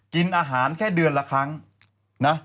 กินอาหารแค่เดือนละครั้งนะ